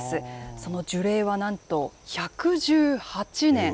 その樹齢はなんと１１８年。